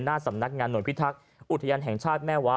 หน้าสำนักงานหน่วยพิทักษ์อุทยานแห่งชาติแม่วะ